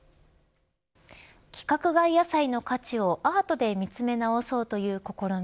規格外野菜の価値をアートで見つめ直そうという試み